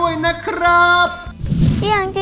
ยิ่งเสียใจ